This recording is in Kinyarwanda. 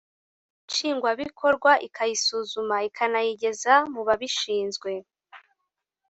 Nshingwabikorwa ikayisuzuma ikanayigeza mu babishinzwe